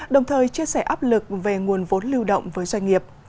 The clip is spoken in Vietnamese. đồng thời chia sẻ áp lực về nguồn vốn lưu động với doanh nghiệp